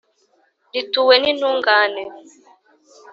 rituwe n’intungane